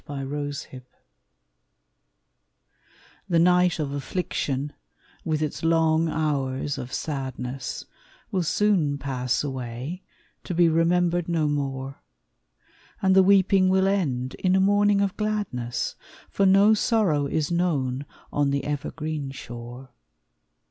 JOY IN THE MORNING The night of affliction, with its long hours of sadness, Will soon pass away to be remembered no more; And the weeping will end in a morning of gladness; For no sorrow is known on the evergreen shore.